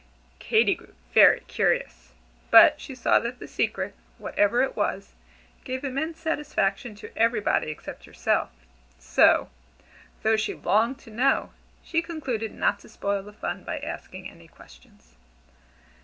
Katy grew very curious. But she saw that the secret, whatever it was, gave immense satisfaction to everybody except herself; so, though she longed to know, she concluded not to spoil the fun by asking any questions.